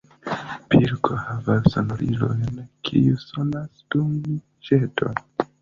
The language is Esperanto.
Pilko havas sonorilojn kiuj sonas dum ĵeto.